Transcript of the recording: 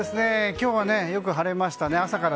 今日はよく晴れましたね。